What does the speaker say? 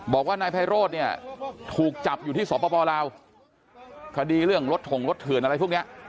บอกว่านายไพโรธเนี่ยถูกจับอยู่ที่สปลาวคดีเรื่องรถถงรถเถื่อนอะไรพวกนี้